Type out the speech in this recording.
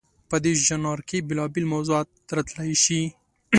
په دې ژانر کې بېلابېل موضوعات راتلی شي.